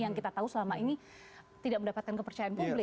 yang kita tahu selama ini tidak mendapatkan kepercayaan publik